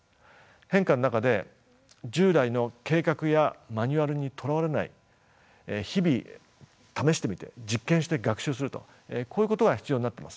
変化の中で従来の計画やマニュアルにとらわれない日々試してみて実験して学習するとこういうことが必要になっています。